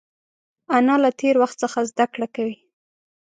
انا له تېر وخت څخه زده کړه کوي